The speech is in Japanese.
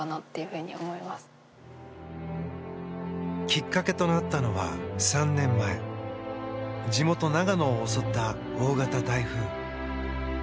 きっかけとなったのは３年前、地元・長野を襲った大型台風。